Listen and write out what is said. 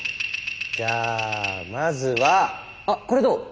じゃあまずはあっこれどう？